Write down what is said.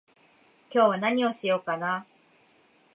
今日は何をしようかな